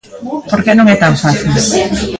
Porque non é tan fácil.